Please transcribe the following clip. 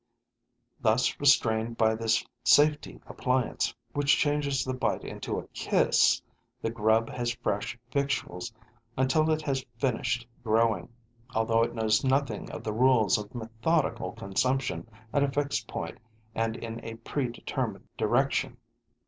Thus restrained by this safety appliance, which changes the bite into a kiss, the grub has fresh victuals until it has finished growing, although it knows nothing of the rules of methodical consumption at a fixed point and in a predetermined direction.